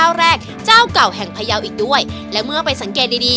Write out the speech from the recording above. เจ้าแรกเจ้าเก่าแห่งพยาวอีกด้วยและเมื่อไปสังเกตดีดี